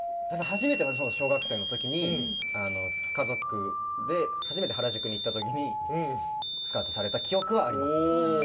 初めては小学生の時に家族で初めて原宿に行った時にスカウトされた記憶はあります。